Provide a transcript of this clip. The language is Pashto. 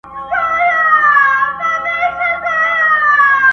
په وهلو یې ورمات کړله هډونه؛